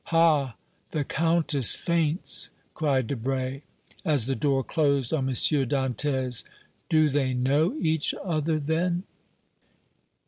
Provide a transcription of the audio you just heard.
"Ha! the Countess faints!" cried Debray, as the door closed on M. Dantès. "Do they know each other, then?"